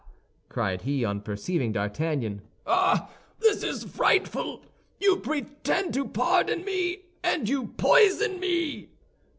cried he, on perceiving D'Artagnan, "ah! this is frightful! You pretend to pardon me, and you poison me!"